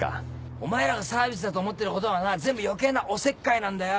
「お前らがサービスだと思ってることはな全部余計なおせっかいなんだよ」。